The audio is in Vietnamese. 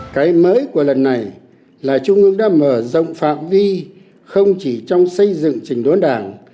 cái mới của lần này là trung ương đã mở rộng phạm vi không chỉ trong xây dựng trình đốn đảng